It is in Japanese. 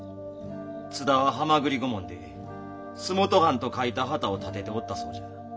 津田は蛤御門で「洲本藩」と書いた旗を立てておったそうじゃ。